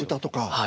はい。